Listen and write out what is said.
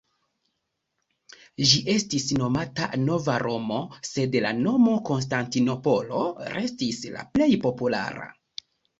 Ĝi estis nomata "Nova Romo", sed la nomo Konstantinopolo restis la plej populara.